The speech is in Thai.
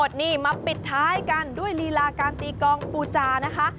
นี่มาปิดท้ายกันด้วยลีลาการตีกองปูจานะคะ